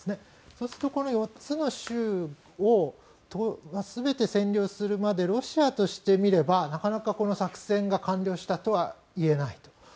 そうするとこの４つの州を全て占領するまでロシアとしてみればなかなかこの作戦が完了したとは言えないと。